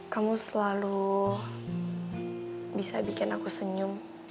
kamu selalu bisa bikin aku senyum